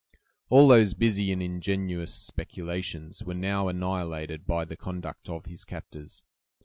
All those busy and ingenious speculations were now annihilated by the conduct of his captors.